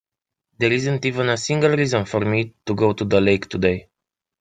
There isn't even a single reason for me to go to the lake today.